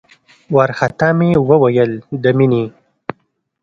وارخطا مې وويل د مينې.